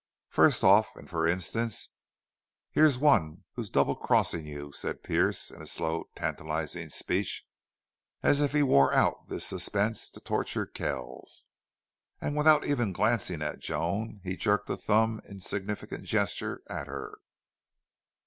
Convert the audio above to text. "Fust off an' for instance here's one who's double crossin' you," said Pearce, in slow, tantalizing speech, as if he wore out this suspense to torture Kells. And without ever glancing at Joan he jerked a thumb, in significant gesture, at her.